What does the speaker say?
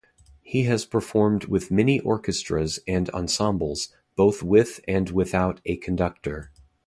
He has performed with many orchestras and ensembles, both with and without a conductor.